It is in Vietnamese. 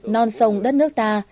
non sông đất nước ta